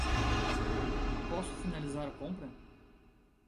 Posso finalizar a compra?